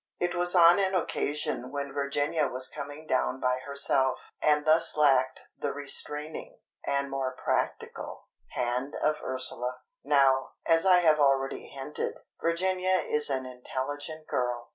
It was on an occasion when Virginia was coming down by herself, and thus lacked the restraining, and more practical, hand of Ursula. Now, as I have already hinted, Virginia is an intelligent girl.